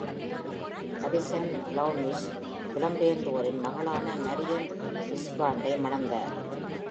Harrison Flemish புலம்பெயர்ந்தோரின் மகளான Marion இஸ்ப்ராண்டை மணந்தார்.